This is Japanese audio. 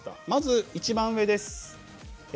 まず一番上です。